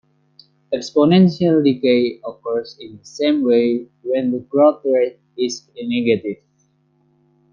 Exponential decay occurs in the same way when the growth rate is negative.